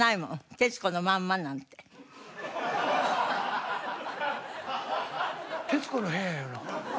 『徹子の部屋』やろ。